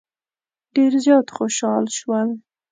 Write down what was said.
ډېر زیات خوشال شول.